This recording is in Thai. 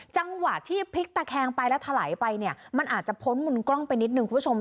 จังหวะที่พลิกตะแคงไปแล้วถลายไปเนี่ยมันอาจจะพ้นมุมกล้องไปนิดนึงคุณผู้ชม